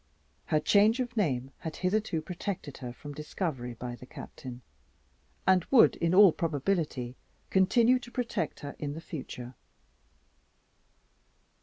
Her change of name had hitherto protected her from discovery by the Captain, and would in all probability continue to protect her in the future.